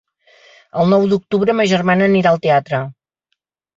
El nou d'octubre ma germana anirà al teatre.